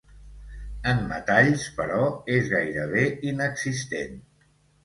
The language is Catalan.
En metalls, però, és gairebé inexistent.